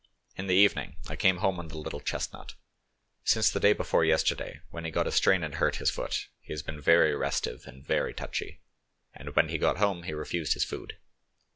In the evening I came home on the little chestnut. Since the day before yesterday, when he got a strain and hurt his foot, he has been very restive and very touchy, and when he got home he refused his food.